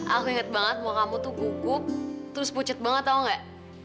aku ingat banget mau kamu tuh gugup terus pucet banget tau gak